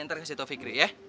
ntar kasih tau fikri ya